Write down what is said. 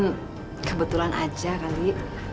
mungkin kebetulan aja kali